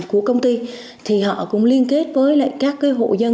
của công ty thì họ cũng liên kết với các hộ dân